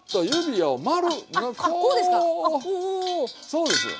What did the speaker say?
そうですよ。